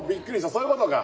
そういうことか。